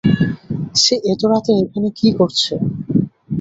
সে এত রাতে এখানে কী করছে?